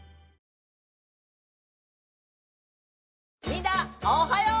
みんなおはよう！